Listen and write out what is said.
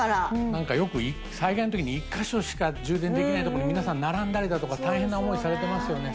なんかよく災害の時に１カ所しか充電できない所に皆さん並んだりだとか大変な思いをされてますよね。